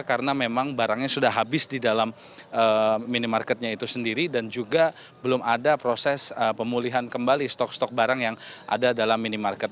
karena memang barangnya sudah habis di dalam minimarketnya itu sendiri dan juga belum ada proses pemulihan kembali stok stok barang yang ada dalam minimarket